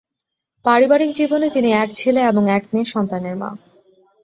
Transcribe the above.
পারিবারিক জীবনে তিনি এক ছেলে এবং এক মেয়ে সন্তানের মা।